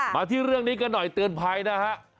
มาที่เรื่องนี้กันหน่อยเตือนภัยนะฮะ